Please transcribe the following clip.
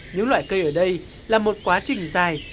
những loại cây ở đây là một quá trình dài